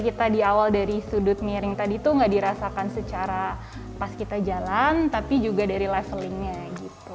jadi kita di awal dari sudut miring tadi tuh nggak dirasakan secara pas kita jalan tapi juga dari levelingnya gitu